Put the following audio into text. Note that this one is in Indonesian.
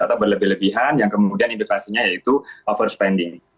atau berlebihan yang kemudian indikasinya yaitu overspending